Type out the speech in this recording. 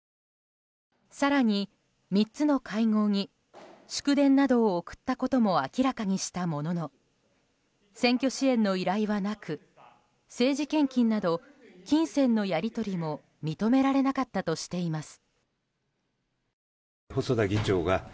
更に、３つの会合に祝電などを送ったことも明らかにしたものの選挙支援の依頼はなく政治献金など金銭のやり取りも認められなかったとしています。